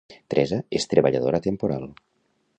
Teresa és treballadora temporal